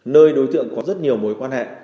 nơi đối tượng có rất nhiều mối quan hệ